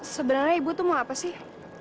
sebenarnya ibu tuh mau apa sih